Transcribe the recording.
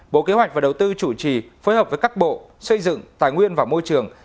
bộ kế hoạch và đầu tư chủ trì phối hợp với các bộ xây dựng tài nguyên và môi trường